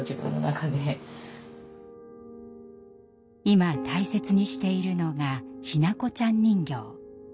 今大切にしているのが日向子ちゃん人形。